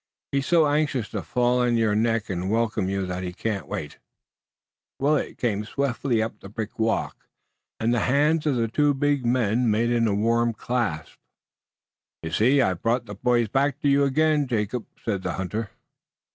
He's so anxious to fall on your neck and welcome you that he can't wait!" Willet came swiftly up the brick walk, and the hands of the two big men met in a warm clasp. "You see I've brought the boys back to you again, Jacob," said the hunter.